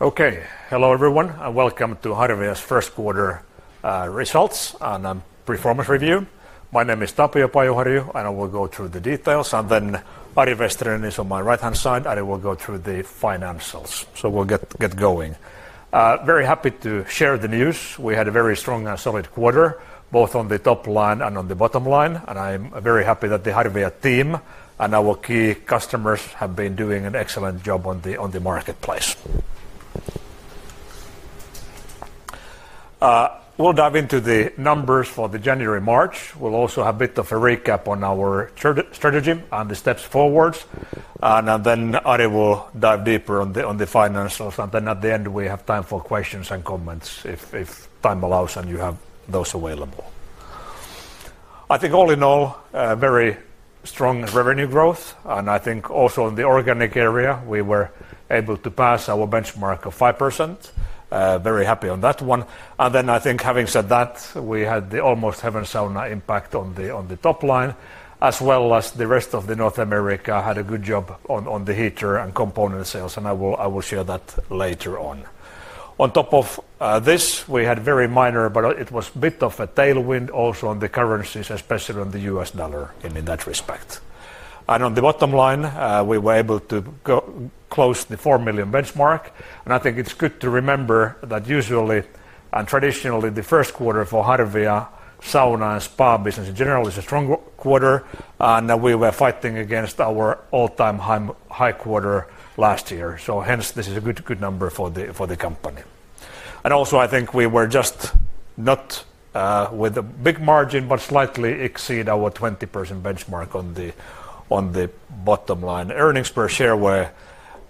Okay, hello everyone and welcome to Harvia's first quarter results and performance review. My name is Tapio Pajuharju and I will go through the details, and then Ari Vesterinen is on my right-hand side and I will go through the financials. We'll get going. Very happy to share the news. We had a very strong and solid quarter, both on the top line and on the bottom line, and I'm very happy that the Harvia team and our key customers have been doing an excellent job on the marketplace. We'll dive into the numbers for the January-March. We'll also have a bit of a recap on our strategy and the steps forward, and then Ari will dive deeper on the financials, and at the end we have time for questions and comments if time allows and you have those available. I think all in all, very strong revenue growth, and I think also in the organic area we were able to pass our benchmark of 5%. Very happy on that one. I think having said that, we had the Almost Heaven Saunas impact on the top line, as well as the rest of North America had a good job on the heater and component sales, and I will share that later on. On top of this, we had very minor, but it was a bit of a tailwind also on the currencies, especially on the U.S. dollar in that respect. On the bottom line, we were able to close the 4 million benchmark, and I think it's good to remember that usually and traditionally the first quarter for Harvia sauna and spa business in general is a strong quarter, and we were fighting against our all-time high quarter last year. Hence, this is a good number for the company. I think we were just not with a big margin, but slightly exceed our 20% benchmark on the bottom line. Earnings per share were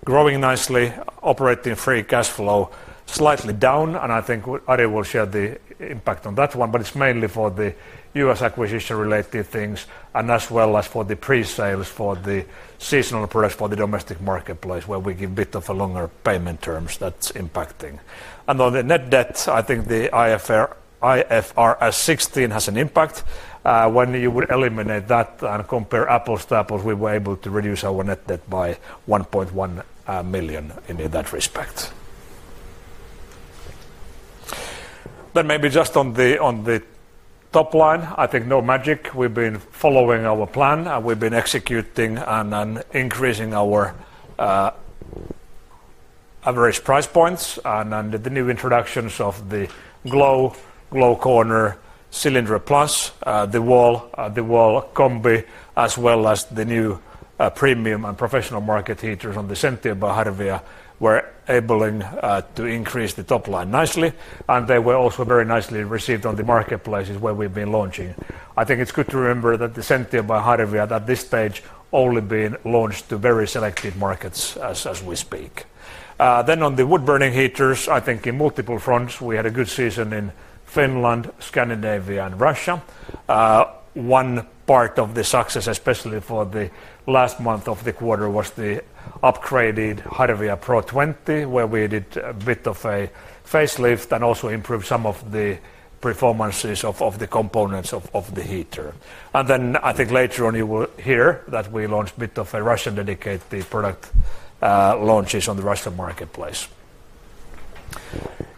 growing nicely, operating free cash flow slightly down, and I think Ari will share the impact on that one, but it's mainly for the U.S. acquisition-related things and as well as for the pre-sales for the seasonal products for the domestic marketplace where we give a bit of longer payment terms that's impacting. On the net debt, I think the IFRS 16 has an impact. When you would eliminate that and compare apples to apples, we were able to reduce our net debt by 1.1 million in that respect. Maybe just on the top line, I think no magic. We've been following our plan and we've been executing and increasing our average price points and the new introductions of the Glow Corner, Cilindro Plus, the Wall Combi, as well as the new premium and professional market heaters on the Sentio by Harvia were able to increase the top line nicely, and they were also very nicely received on the marketplaces where we've been launching. I think it's good to remember that the Sentio by Harvia at this stage has only been launched to very selected markets as we speak. On the wood-burning heaters, I think in multiple fronts we had a good season in Finland, Scandinavia, and Russia. One part of the success, especially for the last month of the quarter, was the upgraded Harvia Pro 20, where we did a bit of a facelift and also improved some of the performances of the components of the heater. I think later on you will hear that we launched a bit of a Russian-dedicated product launches on the Russian marketplace.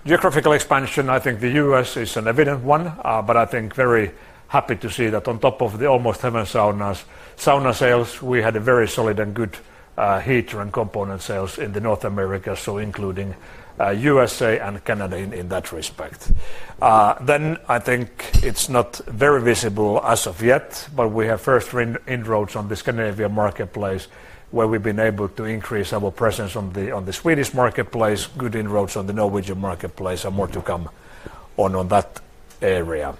Geographical expansion, I think the U.S. is an evident one, but I think very happy to see that on top of the Almost Heaven's own sauna sales, we had a very solid and good heater and component sales in North America, so including USA and Canada in that respect. I think it's not very visible as of yet, but we have first inroads on the Scandinavian marketplace where we've been able to increase our presence on the Swedish marketplace, good inroads on the Norwegian marketplace, and more to come on that area.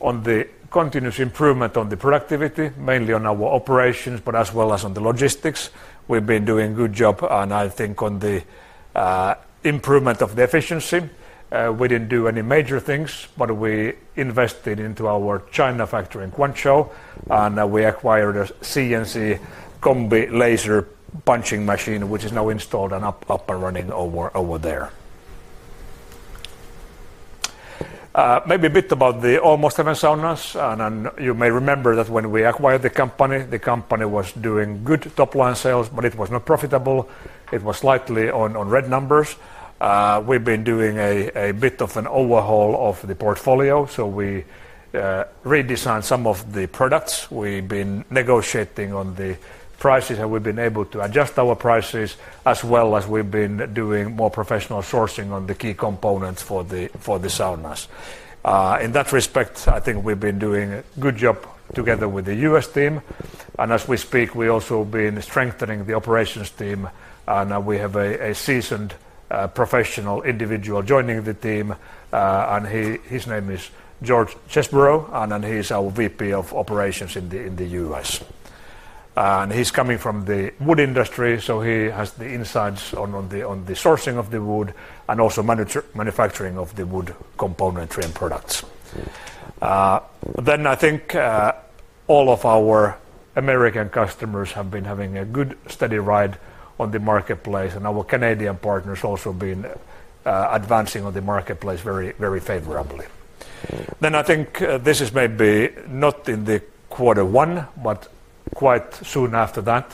On the continuous improvement on the productivity, mainly on our operations, but as well as on the logistics, we've been doing a good job, and I think on the improvement of the efficiency. We didn't do any major things, but we invested into our China factory in Guangzhou, and we acquired a CNC Combi laser punching machine, which is now installed and up and running over there. Maybe a bit about the Almost Heaven Saunas, and you may remember that when we acquired the company, the company was doing good top line sales, but it was not profitable. It was slightly on red numbers. We've been doing a bit of an overhaul of the portfolio, so we redesigned some of the products. We've been negotiating on the prices, and we've been able to adjust our prices, as well as we've been doing more professional sourcing on the key components for the saunas. In that respect, I think we've been doing a good job together with the U.S. team. As we speak, we've also been strengthening the operations team, and we have a seasoned professional individual joining the team. His name is George Chesebro, and he's our VP of Operations in the U.S. He's coming from the wood industry, so he has the insights on the sourcing of the wood and also manufacturing of the wood componentry and products. I think all of our American customers have been having a good steady ride on the marketplace, and our Canadian partners have also been advancing on the marketplace very favorably. I think this is maybe not in quarter one, but quite soon after that.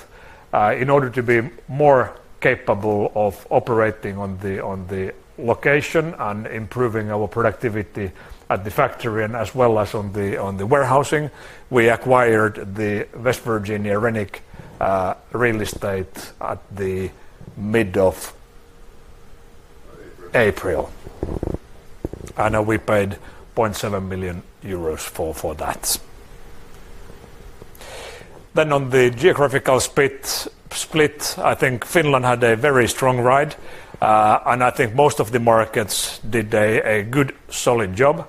In order to be more capable of operating on the location and improving our productivity at the factory as well as on the warehousing, we acquired the West Virginia Renick Real Estate at the mid of April, and we paid $0.7 million for that. On the geographical split, I think Finland had a very strong ride, and I think most of the markets did a good solid job.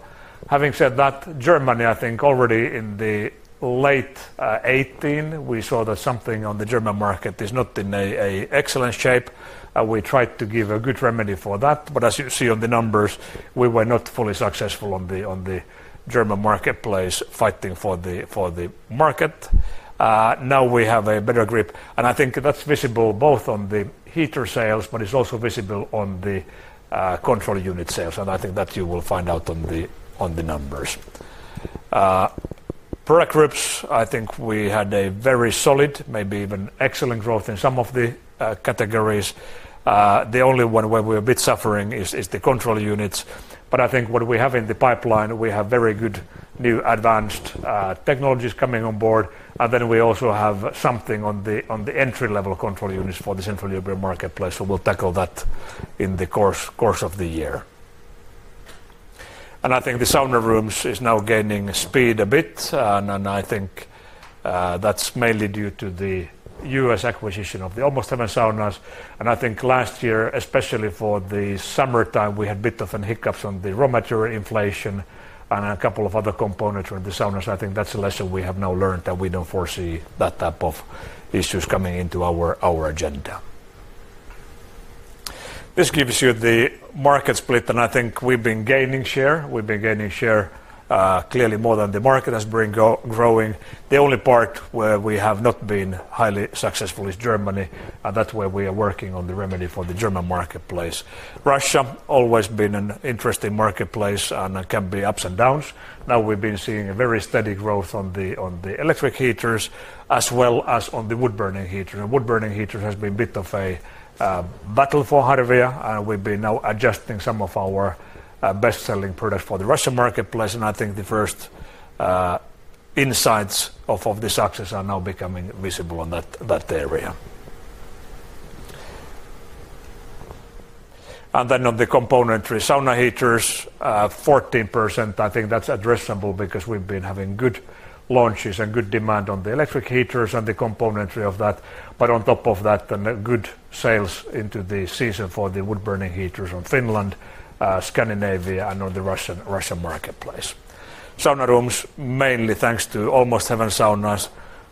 Having said that, Germany, I think already in the late 2018, we saw that something on the German market is not in excellent shape, and we tried to give a good remedy for that, but as you see on the numbers, we were not fully successful on the German marketplace fighting for the market. Now we have a better grip, and I think that's visible both on the heater sales, but it's also visible on the control unit sales, and I think that you will find out on the numbers. Product groups, I think we had a very solid, maybe even excellent growth in some of the categories. The only one where we're a bit suffering is the control units, but I think what we have in the pipeline, we have very good new advanced technologies coming on board, and we also have something on the entry-level control units for the Central European marketplace, so we'll tackle that in the course of the year. I think the sauna rooms are now gaining speed a bit, and I think that's mainly due to the U.S. acquisition of the Almost Heaven Saunas, and I think last year, especially for the summertime, we had a bit of hiccups on the raw material inflation and a couple of other components for the saunas. I think that's a lesson we have now learned that we don't foresee that type of issues coming into our agenda. This gives you the market split, and I think we've been gaining share. We've been gaining share clearly more than the market has been growing. The only part where we have not been highly successful is Germany, and that's where we are working on the remedy for the German marketplace. Russia has always been an interesting marketplace and can be ups and downs. Now we've been seeing a very steady growth on the electric heaters as well as on the wood-burning heaters. The wood-burning heaters have been a bit of a battle for Harvia, and we've been now adjusting some of our best-selling products for the Russian marketplace, and I think the first insights of the success are now becoming visible in that area. On the componentry sauna heaters, 14%, I think that's addressable because we've been having good launches and good demand on the electric heaters and the componentry of that, but on top of that, good sales into the season for the wood-burning heaters in Finland, Scandinavia, and on the Russian marketplace. Sauna rooms, mainly thanks to Almost Heaven Saunas,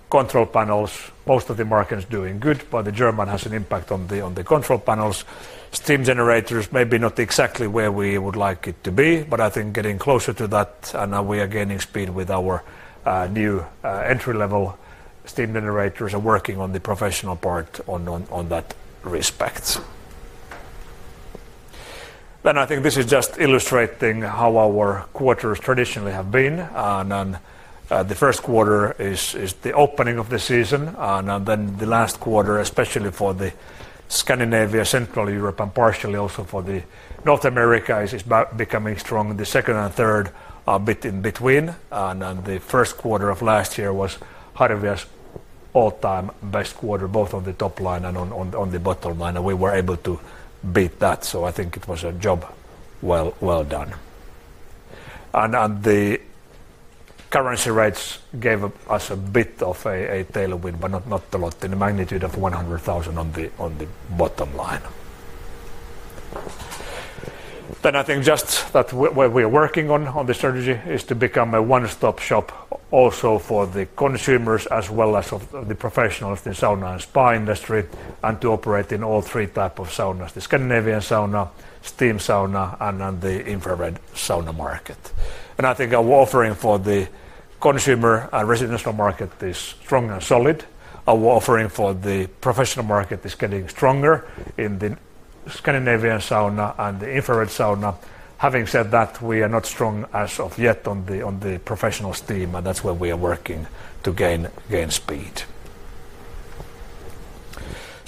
control panels, most of the markets doing good, but the German has an impact on the control panels. Steam generators may be not exactly where we would like it to be, but I think getting closer to that, and now we are gaining speed with our new entry-level steam generators and working on the professional part in that respect. I think this is just illustrating how our quarters traditionally have been, and the first quarter is the opening of the season, and then the last quarter, especially for Scandinavia, Central Europe, and partially also for North America, is becoming strong. The second and third are a bit in between, and the first quarter of last year was Harvia's all-time best quarter, both on the top line and on the bottom line, and we were able to beat that. I think it was a job well done. The currency rates gave us a bit of a tailwind, but not a lot, in the magnitude of 100,000 on the bottom line. I think just that where we are working on the strategy is to become a one-stop shop also for the consumers as well as the professionals in the sauna and spa industry, and to operate in all three types of saunas: the Scandinavian sauna, steam sauna, and the infrared sauna market. I think our offering for the consumer and residential market is strong and solid. Our offering for the professional market is getting stronger in the Scandinavian sauna and the infrared sauna. Having said that, we are not strong as of yet on the professionals' team, and that's where we are working to gain speed.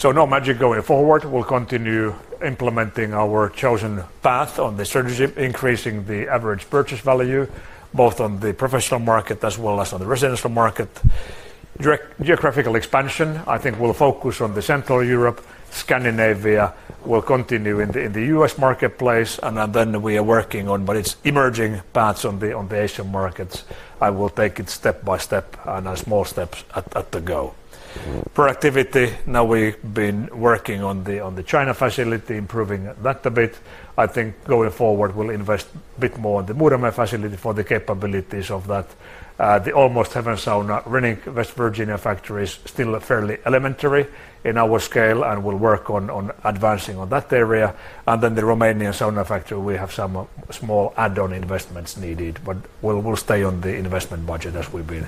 No magic going forward. We'll continue implementing our chosen path on the strategy, increasing the average purchase value, both on the professional market as well as on the residential market. Geographical expansion, I think we'll focus on Central Europe. Scandinavia will continue in the U.S. marketplace, and then we are working on its emerging paths on the Asian markets. I will take it step by step and small steps at the go. Productivity, now we've been working on the China facility, improving that a bit. I think going forward, we'll invest a bit more on the Muurame facility for the capabilities of that. The Almost Heaven Saunas' West Virginia factory is still fairly elementary in our scale and will work on advancing on that area. The Romanian sauna factory, we have some small add-on investments needed, but we'll stay on the investment budget as we've been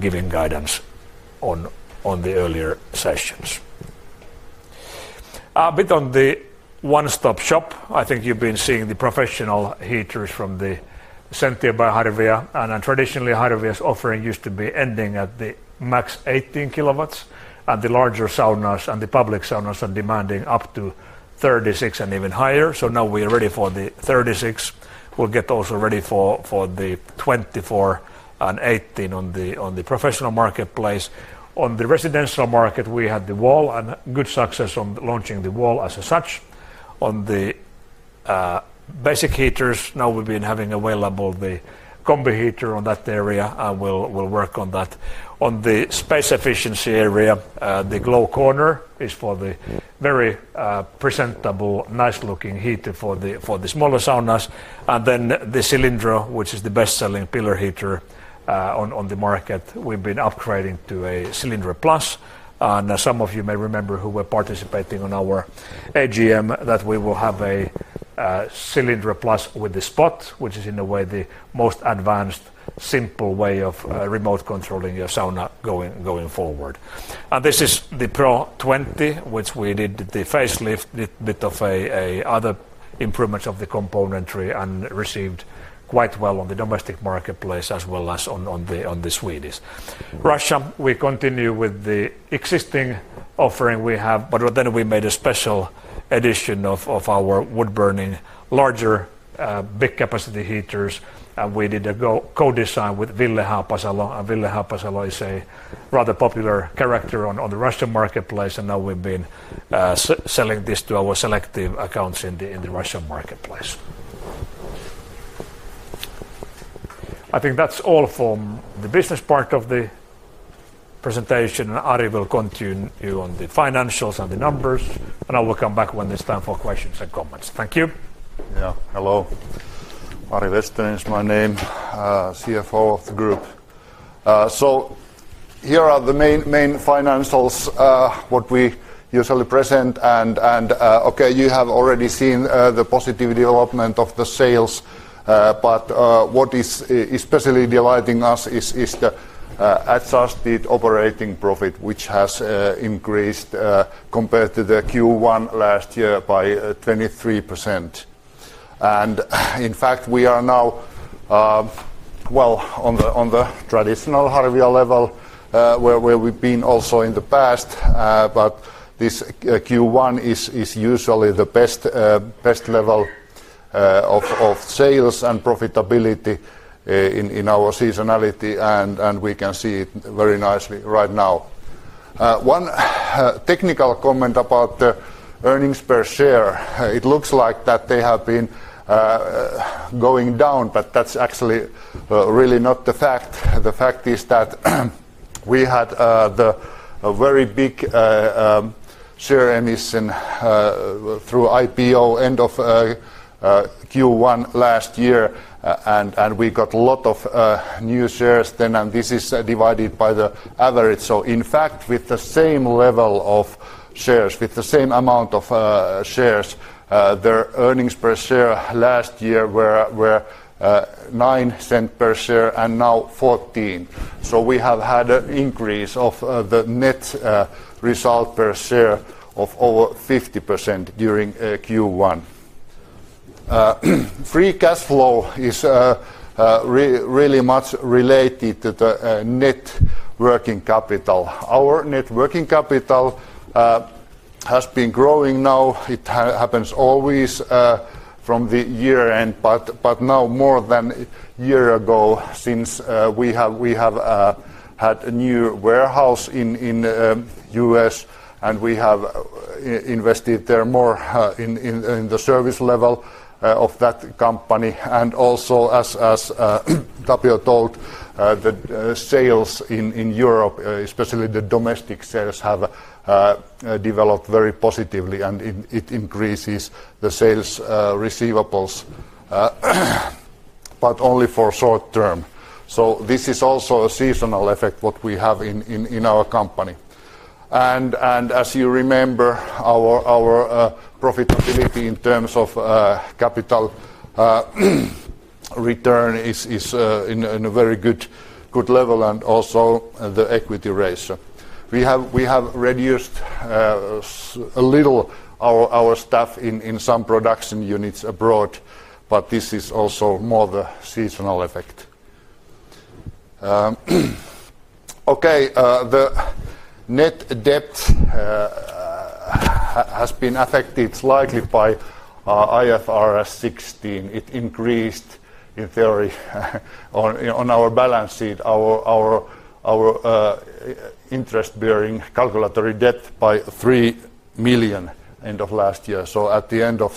giving guidance on the earlier sessions. A bit on the one-stop shop, I think you've been seeing the professional heaters from the Sentio by Harvia, and traditionally Harvia's offering used to be ending at the max 18 kWh, and the larger saunas and the public saunas are demanding up to 36 and even higher, so now we are ready for the 36. We'll get also ready for the 24 and 18 on the professional marketplace. On the residential market, we had the Wall and good success on launching the Wall as such. On the basic heaters, now we've been having available the Combi heater on that area, and we'll work on that. On the space efficiency area, the Glow Corner is for the very presentable, nice-looking heater for the smaller saunas, and then the Cilindro, which is the best-selling pillar heater on the market, we've been upgrading to a Cilindro Plus, and some of you may remember who were participating on our AGM that we will have a Cilindro Plus with the spot, which is in a way the most advanced, simple way of remote controlling your sauna going forward. This is the Pro 20, which we did the facelift, a bit of other improvements of the componentry, and received quite well on the domestic marketplace as well as on the Swedish. Russia, we continue with the existing offering we have, but then we made a special edition of our wood-burning larger big-capacity heaters, and we did a co-design with Ville Haapasalo, and Ville Haapasalo is a rather popular character on the Russian marketplace, and now we've been selling this to our selective accounts in the Russian marketplace. I think that's all from the business part of the presentation, and Ari will continue on the financials and the numbers, and I will come back when it's time for questions and comments. Thank you. Yeah, hello. Ari Vesterinen, my name, CFO of the group. Here are the main financials what we usually present, and okay, you have already seen the positive development of the sales, but what is especially delighting us is the adjusted operating profit, which has increased compared to the Q1 last year by 23%. In fact, we are now, on the traditional Harvia level, where we've been also in the past. This Q1 is usually the best level of sales and profitability in our seasonality, and we can see it very nicely right now. One technical comment about the earnings per share, it looks like that they have been going down, but that's actually really not the fact. The fact is that we had the very big share emission through IPO end of Q1 last year, and we got a lot of new shares then, and this is divided by the average. In fact, with the same level of shares, with the same amount of shares, their earnings per share last year were 0.09 per share and now 0.14. We have had an increase of the net result per share of over 50% during Q1. Free cash flow is really much related to the net working capital. Our net working capital has been growing now. It happens always from the year end, but now more than a year ago since we have had a new warehouse in the U.S., and we have invested there more in the service level of that company. Also, as Tapio told, the sales in Europe, especially the domestic sales, have developed very positively, and it increases the sales receivables, but only for short term. This is also a seasonal effect what we have in our company. As you remember, our profitability in terms of capital return is in a very good level, and also the equity ratio. We have reduced a little our staff in some production units abroad, but this is also more the seasonal effect. Okay, the net debt has been affected slightly by IFRS 16. It increased, in theory, on our balance sheet, our interest-bearing calculatory debt by 3 million end of last year. At the end of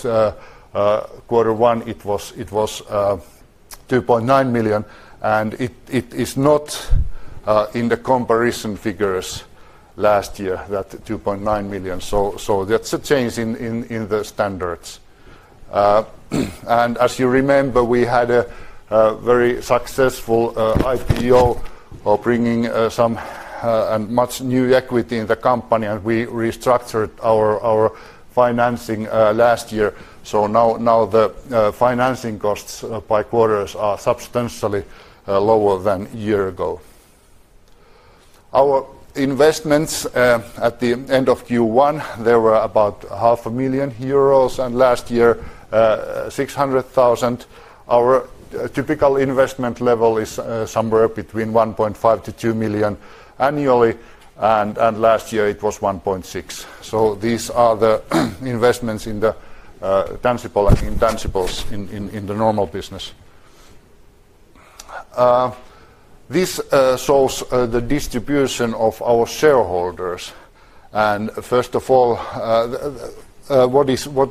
quarter one, it was 2.9 million, and it is not in the comparison figures last year, that 2.9 million. That is a change in the standards. As you remember, we had a very successful IPO of bringing some and much new equity in the company, and we restructured our financing last year. Now the financing costs by quarters are substantially lower than a year ago. Our investments at the end of Q1, there were about 500,000 euros, and last year, 600,000. Our typical investment level is somewhere between 1.5 million-2 million annually, and last year it was 1.6 million. These are the investments in the intangibles in the normal business. This shows the distribution of our shareholders. First of all, what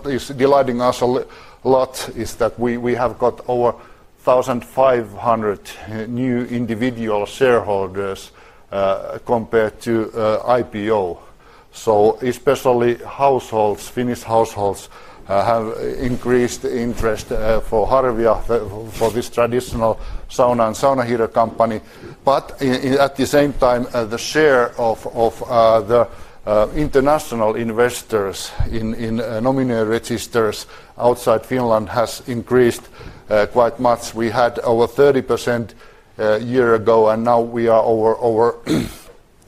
is delighting us a lot is that we have got over 1,500 new individual shareholders compared to IPO. Especially households, Finnish households, have increased interest for Harvia, for this traditional sauna and sauna heater company. At the same time, the share of the international investors in nominee registers outside Finland has increased quite much. We had over 30% a year ago, and now we are over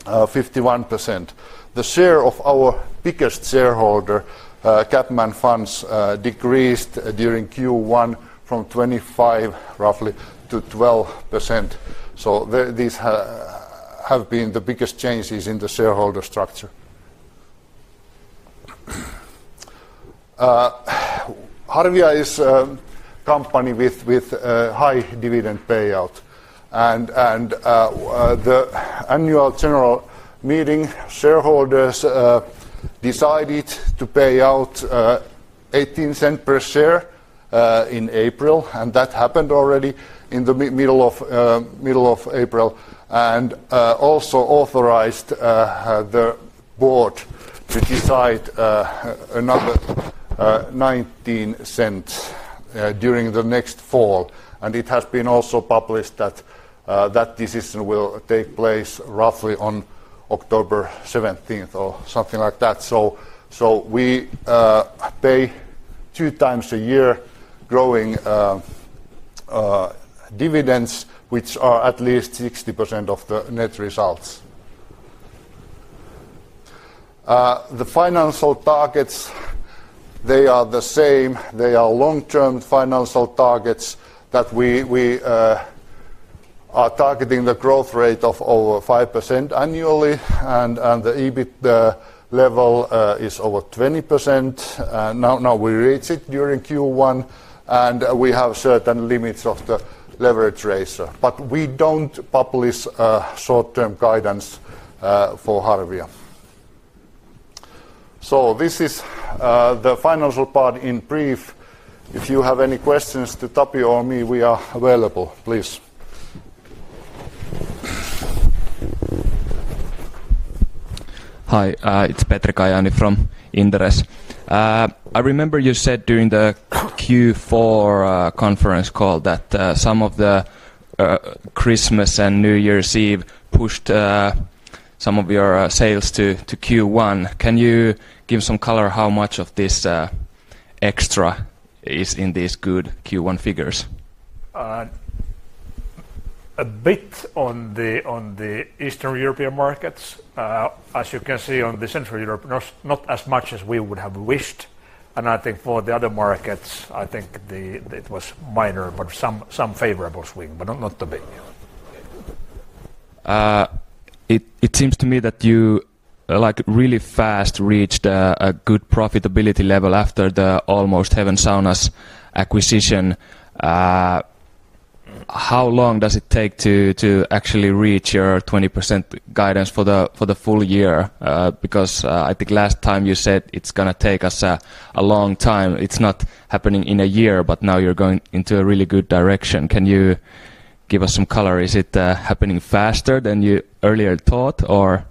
51%. The share of our biggest shareholder, CapMan Funds, decreased during Q1 from 25% roughly to 12%. These have been the biggest changes in the shareholder structure. Harvia is a company with high dividend payout. The annual general meeting, shareholders decided to pay out 0.18 per share in April, and that happened already in the middle of April, and also authorized the board to decide another 0.19 during the next fall. It has been also published that this decision will take place roughly on October 17th or something like that. We pay two times a year growing dividends, which are at least 60% of the net results. The financial targets, they are the same. They are long-term financial targets that we are targeting the growth rate of over 5% annually, and the EBIT level is over 20%. Now we reach it during Q1, and we have certain limits of the leverage ratio. We do not publish short-term guidance for Harvia. This is the financial part in brief. If you have any questions to Tapio or me, we are available. Please. Hi, it's Petri Kajaani from Inderes. I remember you said during the Q4 conference call that some of the Christmas and New Year's Eve pushed some of your sales to Q1. Can you give some color how much of this extra is in these good Q1 figures? A bit on the Eastern European markets, as you can see on the Central Europe, not as much as we would have wished. I think for the other markets, I think it was minor, but some favorable swing, but not too big. It seems to me that you really fast reached a good profitability level after the Almost Heaven Saunas acquisition. How long does it take to actually reach your 20% guidance for the full year? Because I think last time you said it's going to take us a long time. It's not happening in a year, but now you're going into a really good direction. Can you give us some color? Is it happening faster than you earlier thought, or?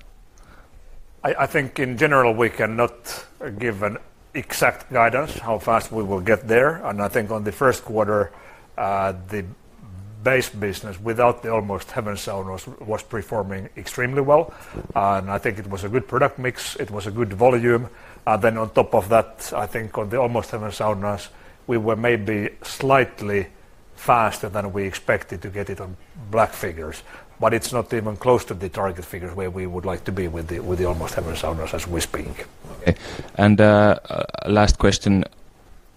I think in general we can not give an exact guidance how fast we will get there. I think on the first quarter, the base business without the Almost Heaven Saunas was performing extremely well. I think it was a good product mix. It was a good volume. On top of that, I think on the Almost Heaven Saunas, we were maybe slightly faster than we expected to get it on black figures. It's not even close to the target figures where we would like to be with the Almost Heaven Saunas as we speak. Okay. Last question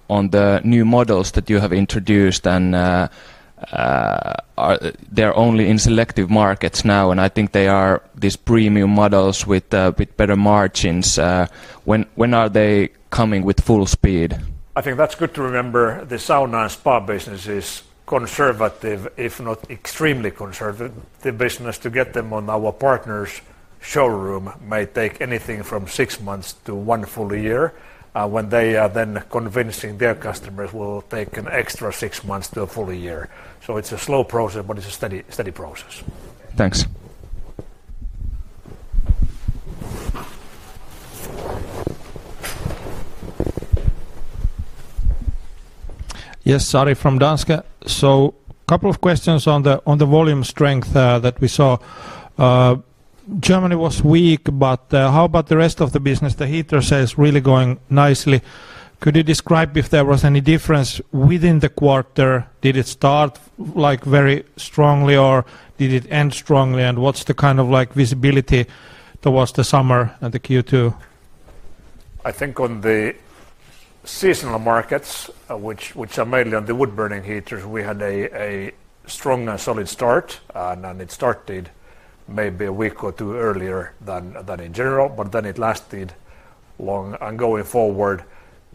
on the new models that you have introduced, and they're only in selective markets now, and I think they are these premium models with better margins. When are they coming with full speed? I think that's good to remember. The sauna and spa business is conservative, if not extremely conservative business. To get them on our partners' showroom may take anything from six months to one full year. When they are then convincing their customers, will take an extra six months to a full year. It is a slow process, but it is a steady process. Thanks. Yes, Ari from Danske. A couple of questions on the volume strength that we saw. Germany was weak, but how about the rest of the business? The heater sales really going nicely. Could you describe if there was any difference within the quarter? Did it start very strongly, or did it end strongly? What's the kind of visibility towards the summer and the Q2? I think on the seasonal markets, which are mainly on the wood-burning heaters, we had a strong and solid start. It started maybe a week or two earlier than in general, but then it lasted long. Going forward,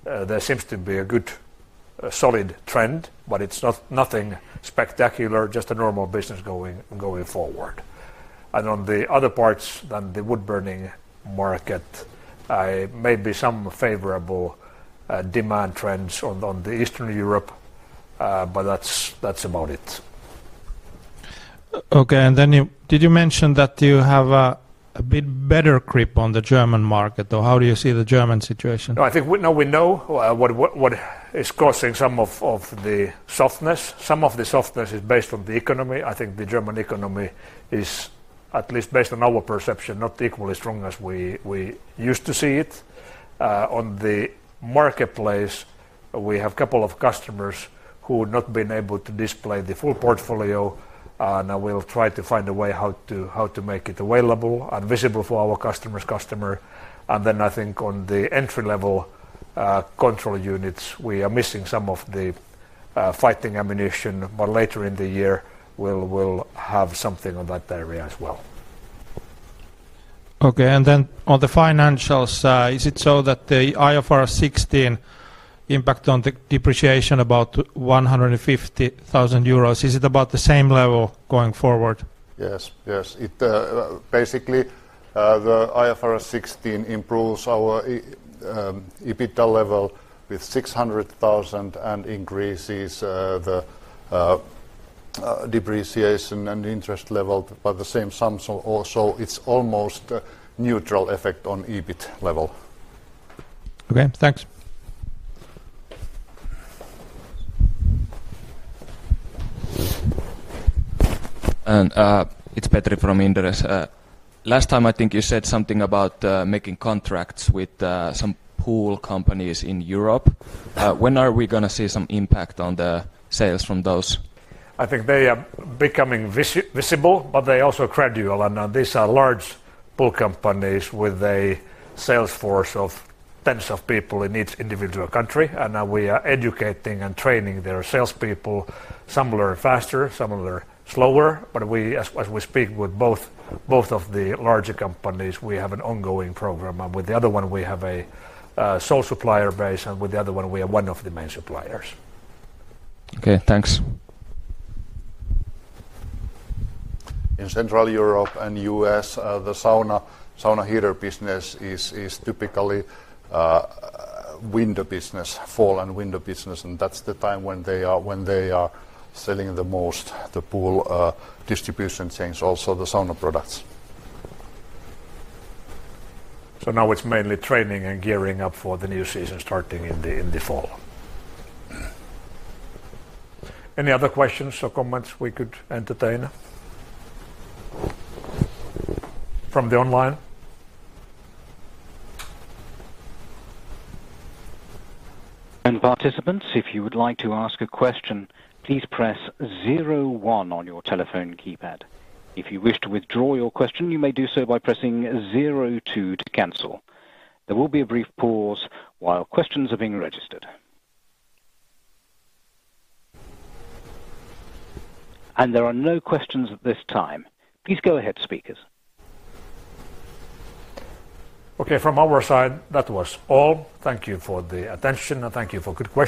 there seems to be a good solid trend, but it's nothing spectacular, just a normal business going forward. On the other parts than the wood-burning market, maybe some favorable demand trends on Eastern Europe, but that's about it. Okay. Did you mention that you have a bit better grip on the German market, or how do you see the German situation? I think we know what is causing some of the softness. Some of the softness is based on the economy. I think the German economy is, at least based on our perception, not equally strong as we used to see it. On the marketplace, we have a couple of customers who have not been able to display the full portfolio, and we will try to find a way how to make it available and visible for our customers. I think on the entry-level control units, we are missing some of the fighting ammunition, but later in the year, we will have something on that area as well. Okay. On the financial side, is it so that the IFRS 16 impact on the depreciation is about 150,000 euros? Is it about the same level going forward? Yes. Yes. Basically, the IFRS 16 improves our EBITDA level with 600,000 and increases the depreciation and interest level by the same sum. It is almost a neutral effect on EBIT level. Okay. Thanks. It is Petri from Inderes. Last time, I think you said something about making contracts with some pool companies in Europe. When are we going to see some impact on the sales from those? I think they are becoming visible, but they are also gradual. These are large pool companies with a sales force of tens of people in each individual country. We are educating and training their salespeople, some learn faster, some learn slower. As we speak with both of the larger companies, we have an ongoing program. With one, we have a sole supplier base. With the other, we are one of the main suppliers. Okay. Thanks. In Central Europe and the U.S., the sauna heater business is typically winter business, fall and winter business. That is the time when they are selling the most, the pool distribution chains, also the sauna products. Now it is mainly training and gearing up for the new season starting in the fall. Any other questions or comments we could entertain from the online? Participants, if you would like to ask a question, please press zero one on your telephone keypad. If you wish to withdraw your question, you may do so by pressing zero two to cancel. There will be a brief pause while questions are being registered. There are no questions at this time. Please go ahead, speakers. From our side, that was all. Thank you for the attention, and thank you for good.